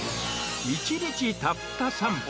１日たった３分！